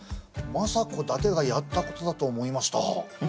政子だけがやったことだと思いました。